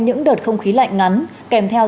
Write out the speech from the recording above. những đợt không khí lạnh ngắn kèm theo